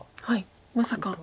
まさか。